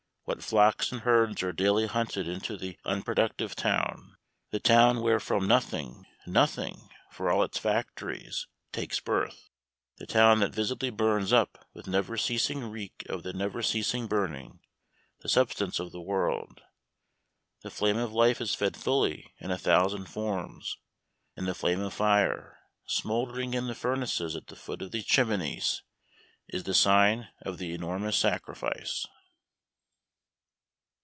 What flocks and herds are daily hunted into the unproductive town, the town wherefrom nothing, nothing for all its factories takes birth; the town that visibly burns up, with never ceasing reek of the never ceasing burning, the substance of the world. The flame of life is fed fully in a thousand forms, and the flame of fire, smouldering in the furnaces at the foot of these chimneys, is the sign of the enormous sacrifice.